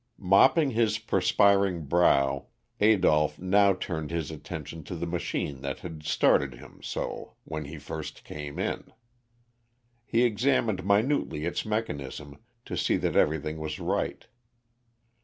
Mopping his perspiring brow, Adolph now turned his attention to the machine that had startled him so when he first came in. He examined minutely its mechanism to see that everything was right.